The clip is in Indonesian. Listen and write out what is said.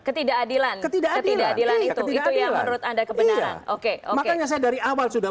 ketidakadilan ketidakadilan itu itu yang menurut anda kebenaran oke oke saya dari awal sudah